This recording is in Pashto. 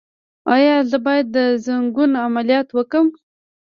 ایا زه باید د زنګون عملیات وکړم؟